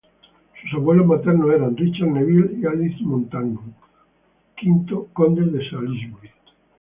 Sus abuelos maternos eran Richard Neville y Alice Montagu, V condes de Salisbury.